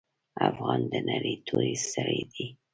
افغان د نرۍ توري سړی دی.